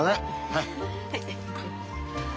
はい。